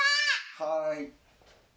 はい。